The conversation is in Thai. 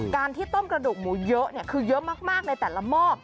การที่ต้มกระดูกหมูเยอะคือเยอะมากในแต่ละหม้อ